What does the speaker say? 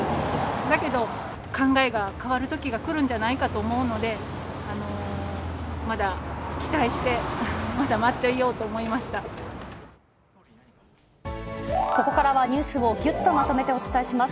だけど、考えが変わるときが来るんじゃないかと思うので、まだ期待して、ここからはニュースをぎゅっとまとめてお伝えします。